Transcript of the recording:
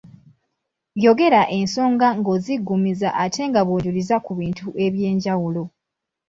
Yogera ensonga ng'oziggumiza ate nga bw'ojuliza ku bintu eby'enjawulo.